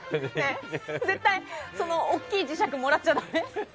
絶対大きい磁石、もらっちゃダメ！